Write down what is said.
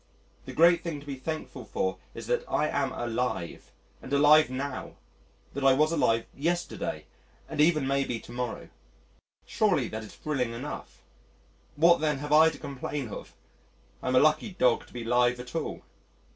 The great thing to be thankful for is that I am alive and alive now, that I was alive yesterday, and even may be to morrow. Surely that is thrilling enough. What, then, have I to complain of? I'm a lucky dog to be alive at all.